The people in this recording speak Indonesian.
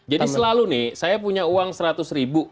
jadi selalu nih saya punya uang seratus ribu